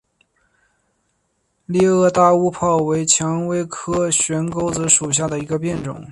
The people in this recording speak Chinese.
裂萼大乌泡为蔷薇科悬钩子属下的一个变种。